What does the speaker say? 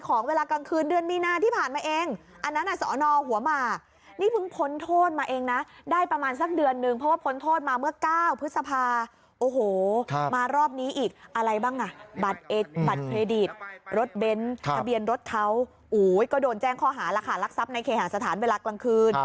ก็โดนแจ้งข้อหารักษาลักษณ์ในเคหะสถานในเวลากลางคืน